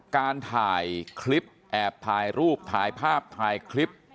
การถ่ายคลิปแอบถ่ายรูปถ่ายภาพถ่ายคลิป